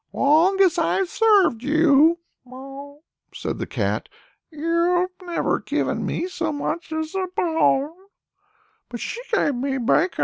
"Long as I've served you," said the Cat, "you've never given me so much as a bone; but she gave me bacon."